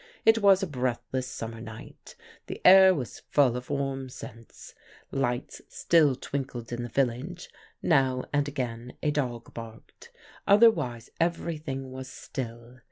It was a breathless summer night. The air was full of warm scents. Lights still twinkled in the village; now and again a dog barked, otherwise everything was still.